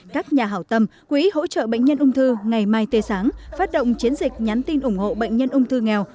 các nhà hảo tâm quỹ hỗ trợ bệnh nhân ung thư ngày mai tươi sáng phát động chiến dịch nhắn tin ủng hộ bệnh nhân ung thư nghèo